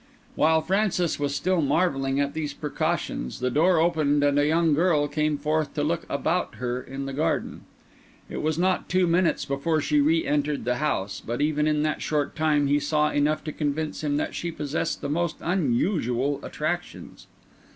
While Francis was still marvelling at these precautions, the door opened and a young girl came forth to look about her in the garden. It was not two minutes before she re entered the house, but even in that short time he saw enough to convince him that she possessed the most unusual attractions.